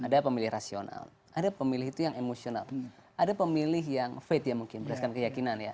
ada pemilih rasional ada pemilih itu yang emosional ada pemilih yang faith ya mungkin berdasarkan keyakinan ya